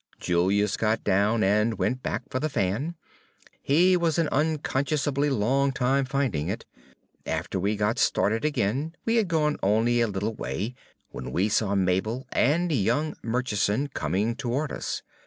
Julius got down and went back for the fan. He was an unconscionably long time finding it. After we got started again we had gone only a little way, when we saw Mabel and young Murchison coming toward us.